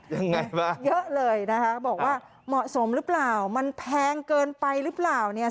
ยังไงวะเยอะเลยนะคะบอกว่าเหมาะสมหรือเปล่ามันแพงเกินไปหรือเปล่าเนี่ย